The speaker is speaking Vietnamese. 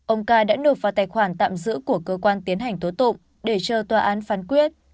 ông ca đã nộp vào tài khoản tạm giữ của cơ quan tiến hành tố tụng để chờ tòa án phán quyết